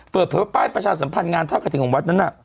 ที่อยู่ในป้ายประชาสัมพันธ์งานมากับวัดนั้นน่ะ